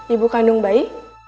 ibu kandung bayi